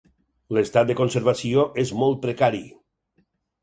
L'estat de conservació és molt precari.